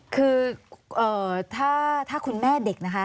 คือถ้าคุณแม่เด็กนะคะ